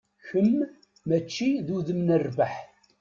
Kem, mačči d udem n rrbeḥ.